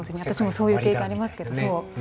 私もそういう経験ありますけど。